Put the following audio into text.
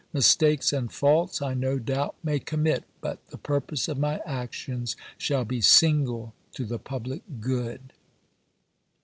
Mistakes and faults I no doubt may commit, but the purpose of my actions shall be single to the public good."